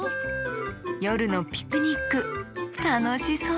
よるのピクニックたのしそう！